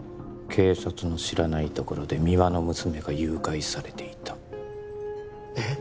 警察の知らないところで三輪の娘が誘拐されていたえっ？